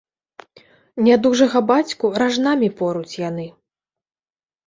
Нядужага бацьку ражнамі поруць яны.